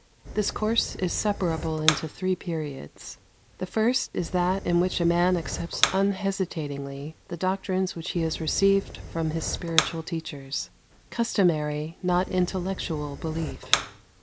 This course is separable into three periods. The first is that in which a man accepts unhesitatingly the doctrines which he has received from his spiritual teachers customary not intellectual, belief.